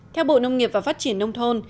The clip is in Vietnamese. theo bộ nông nghiệp và phát triển nông thôn